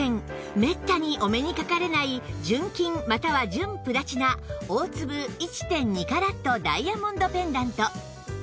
めったにお目にかかれない純金または純プラチナ大粒 １．２ カラットダイヤモンドペンダント